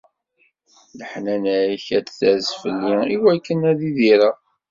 Leḥnana-k ad d-ters fell-i iwakken ad idireɣ.